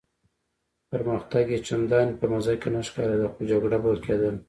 پرمختګ یې چنداني په مزه کې نه ښکارېده، خو جګړه به کېدله.